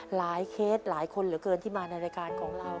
เคสหลายคนเหลือเกินที่มาในรายการของเรา